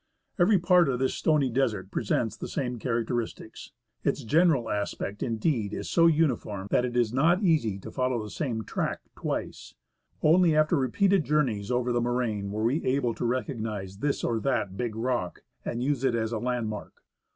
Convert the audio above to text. Every part of this stony desert presents the same characteristics. Its general aspect, indeed, is so uniform that it is not easy to follow the same track twice. Only after repeated journeys over the moraine were we able to recognise this or that big rock, and use it as a landmark.